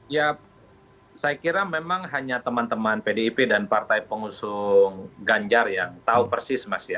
ya saya kira memang hanya teman teman pdip dan partai pengusung ganjar yang tahu persis mas ya